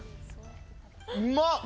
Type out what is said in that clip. うまっ！